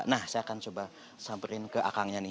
nah saya akan coba samperin ke akangnya nih